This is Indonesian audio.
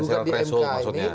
presiden silat resul maksudnya